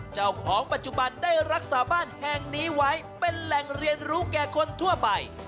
เจ้าของปัจจุบันได้รักษาบ้านแห่งนี้ไว้เป็นแหล่งเรียนรู้แก่คนทั่วไป